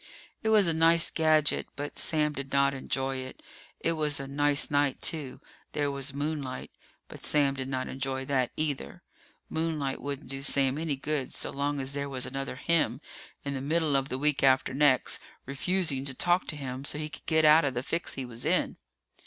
It was a nice gadget, but Sam did not enjoy it. It was a nice night, too. There was moonlight. But Sam did not enjoy that, either. Moonlight wouldn't do Sam any good so long as there was another him in the middle of the week after next, refusing to talk to him so he could get out of the fix he was in.